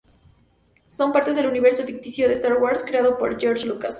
Son parte del universo ficticio de Star Wars creado por George Lucas.